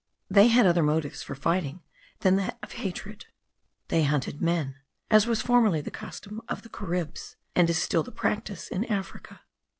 They had other motives for fighting than that of hatred; they hunted men, as was formerly the custom of the Caribs, and is still the practice in Africa.